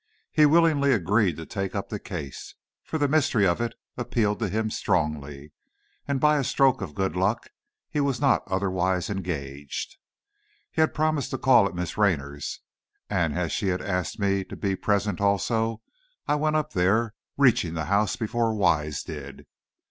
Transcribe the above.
He willingly agreed to take up the case, for the mystery of it appealed to him strongly, and by a stroke of good luck he was not otherwise engaged. He had promised to call at Miss Raynor's, and as she had asked me to be present also, I went up there, reaching the house before Wise did.